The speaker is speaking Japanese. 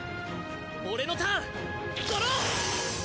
俺のターンドロー！